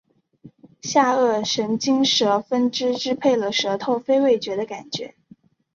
下颌神经舌分支支配了舌头非味觉的感觉